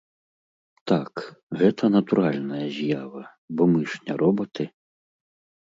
Так, гэта натуральная з'ява, бо мы ж не робаты.